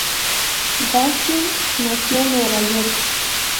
Dassin nació en Nueva York.